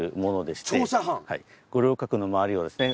五稜郭の周りをですね